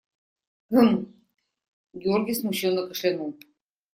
Гм… – Георгий смущенно кашлянул.